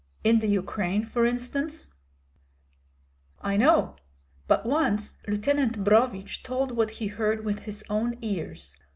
"In the Ukraine, for instance." "I know. But once Lieutenant Brohvich told what he heard with his own ears.